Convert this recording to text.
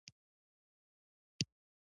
تر غلط معلومات لرل معلومات نه لرل ښه دي.